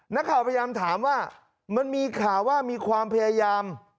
นักข่าวพยายามถามว่ามันมีข่าวว่ามีความพยายาม